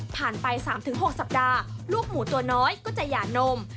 ไป๓๖สัปดาห์ลูกหมูตัวน้อยก็จะหย่านม